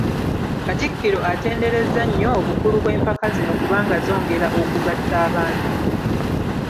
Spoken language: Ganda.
Katikkiro atenderezza nnyo obukulu bw'empaka zino kubanga zongera okugatta abantu.